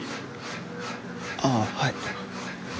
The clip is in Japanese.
あぁはい。